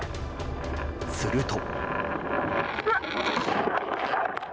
すると。